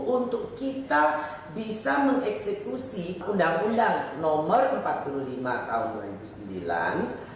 untuk kita bisa mengeksekusi undang undang nomor empat puluh lima tahun dua ribu sembilan